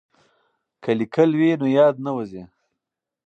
که لیکل وي نو یاد نه وځي.